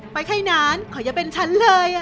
ไปแค่นั้นขออย่าเป็นฉันเลย